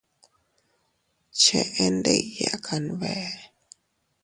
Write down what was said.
Cheʼe ndikya kanbee.